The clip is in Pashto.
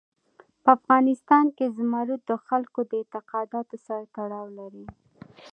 په افغانستان کې زمرد د خلکو د اعتقاداتو سره تړاو لري.